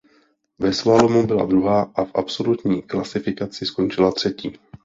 Ve slalomu byla druhá a v absolutní klasifikaci skončila třetí.